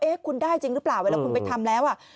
เอ๊ะคุณได้จริงหรือเปล่าแล้วคุณไปทำแล้วอ่ะ